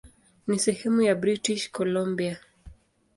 Ni sehemu ya British Columbia.